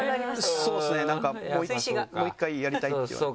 そうですねなんかもう１回やりたいって言われて。